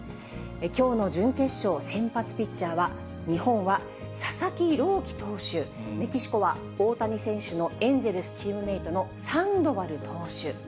きょうの準決勝、先発ピッチャーは、日本は佐々木朗希投手、メキシコは大谷選手のエンゼルスチームメートのサンドバル投手。